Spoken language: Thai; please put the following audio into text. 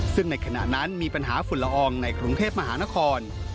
ซึ่งในขณะนั้นมีปัญหาฝุ่นละอองในกรุงเทพมหานคร